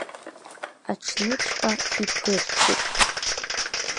Аҽныҵәҟьа иԥырҽит.